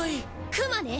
クマね！